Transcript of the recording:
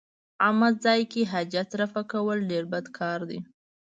عامه ځای کې حاجت رفع کول ډېر بد کار دی.